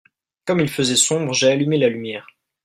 comme il faisait sombre, j'ai allumé la lumière.